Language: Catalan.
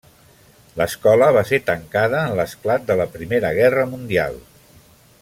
L'escola va ser tancada en l'esclat de la Primera Guerra Mundial.